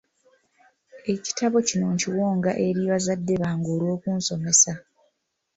Ekitabo kino nkiwonga eri bazadde bange olw’okunsomesa.